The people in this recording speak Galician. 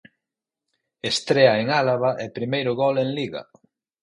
Estrea en Álava e primeiro gol en Liga.